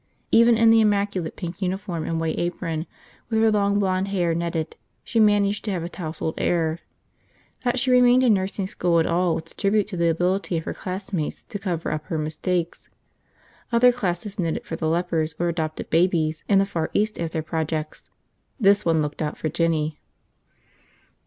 Even in the immaculate pink uniform and white apron, with her long blond hair netted, she managed to have a tousled air. That she remained in nursing school at all was a tribute to the ability of her classmates to cover up her mistakes. Other classes knitted for the lepers or adopted babies in the Far East as their projects. This one looked out for Jinny.